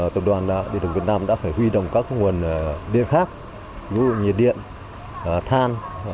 tổng đoàn địa tổng việt nam đã phải huy động các nguồn điên khắc như nhiệt điện than